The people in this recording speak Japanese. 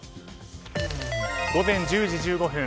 午前１０時１５分。